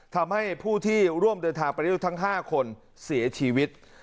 ทำให้ผู้ที่ร่วมเดินทางไปด้วยทั้ง๕คนเสียชีวิต